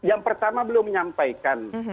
yang pertama belum menyampaikan